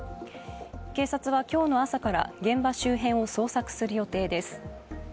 警察は今日の朝から現場周辺を捜索する予定です。